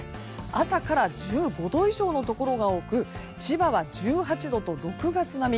朝から１５度以上のところが多く千葉は１８度と、６月並み。